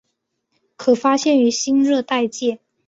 可发现于新热带界。